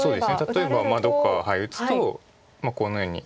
例えばどこか打つとこのように。